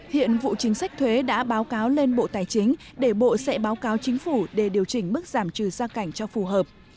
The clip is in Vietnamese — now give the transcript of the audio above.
hiện vụ chính sách thuế đã báo cáo lên bộ tài chính để bộ sẽ báo cáo chính phủ để điều chỉnh mức giảm trừ gia cảnh cho phù hợp